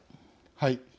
はい。